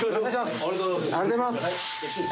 ありがとうございます。